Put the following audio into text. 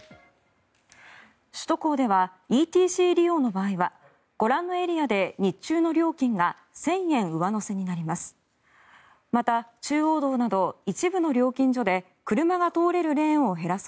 首都高ではＥＴＣ利用の場合ではご覧のエリアで日中の料金が１０００円上乗せになります。